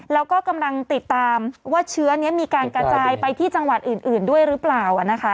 แล้วก็กำลังติดตามว่าเชื้อนี้มีการกระจายไปที่จังหวัดอื่นด้วยหรือเปล่านะคะ